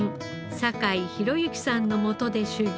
坂井宏行さんのもとで修業。